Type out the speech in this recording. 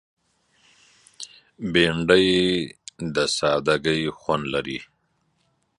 بېنډۍ د سادګۍ خوند لري